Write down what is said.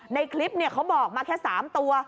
ในคลิปเขาบอกมาแค่๓ตัว